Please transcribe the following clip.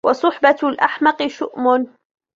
وَصُحْبَةُ الْأَحْمَقِ شُؤْمٌ